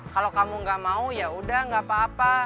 kalau kamu gak mau yaudah gak apa apa